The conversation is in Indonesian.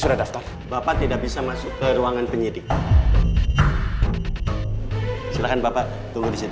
sudah daftar bapak tidak bisa masuk ke ruangan penyidik silahkan bapak tunggu di situ